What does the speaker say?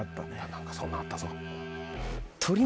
何かそんなんあったぞ。